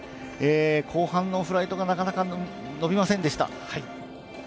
後半のフライトがなかなか、のびませんでした。